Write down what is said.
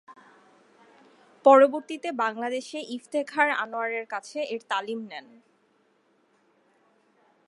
পরবর্তীতে বাংলাদেশে ইফতেখার আনোয়ার এর কাছে এর তালিম নেন।